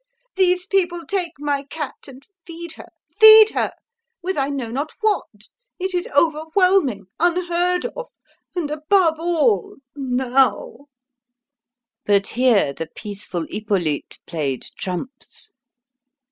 These people take my cat, and feed her feed her with I know not what! It is overwhelming, unheard of and, above all, now!" But here the peaceful Hippolyte played trumps.